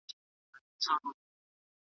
سهار دي نه سي .